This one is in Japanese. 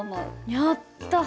やった！